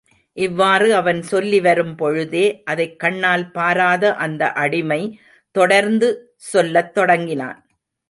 இவ்வாறு அவன் சொல்லி வரும்பொழுதே, அதைக் கண்ணால் பாராத அந்த அடிமை தொடர்ந்து சொல்லத் தொடங்கினான்.